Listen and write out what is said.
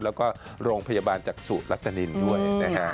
แล้วก็โรงพยาบาลจากสูตรรัตนินด้วยนะฮะ